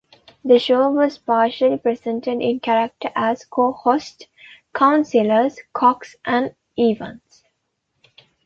The show was partially presented in character as 'co-hosts' Councillors Cox and Evans.